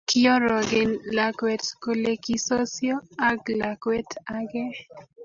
Kiorogen lakwet kule kisosio ak lakwet age